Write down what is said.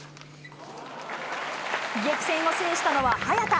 激戦を制したのは、早田。